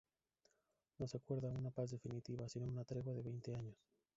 No se acuerda una paz definitiva, sino una tregua de veinte años.